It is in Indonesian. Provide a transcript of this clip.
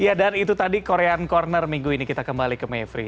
ya dan itu tadi korean corner minggu ini kita kembali ke mevri